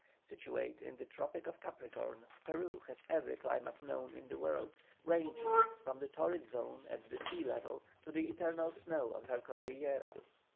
Situate in the tropic of Capricorn Peru has every climate known in the world, ranging from the torrid zone at the sea level to the eternal snow of her Cordillera.